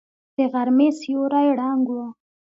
د غرمې سيوری ړنګ و.